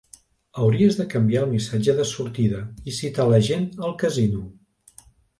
Hauries de canviar el missatge de sortida i citar la gent al casino.